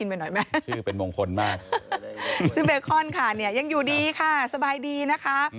ซึ่งเบคอนค่ะเนี่ยยังอยู่ดีค่ะสบายดีนะคะ